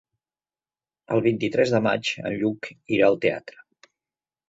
El vint-i-tres de maig en Lluc irà al teatre.